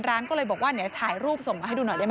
ร้านก็เลยบอกว่าเดี๋ยวถ่ายรูปส่งมาให้ดูหน่อยได้ไหม